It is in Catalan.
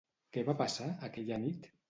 Què va passar, aquella nit?